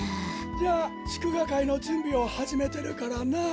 じゃあしゅくがかいのじゅんびをはじめてるからなっ！